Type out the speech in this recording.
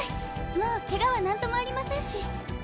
もうケガはなんともありませんし。